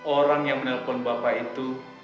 orang yang menelpon bapak itu